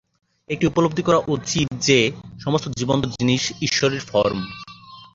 একটি উপলব্ধি করা উচিত যে সমস্ত জীবন্ত জিনিস ঈশ্বরের ফর্ম।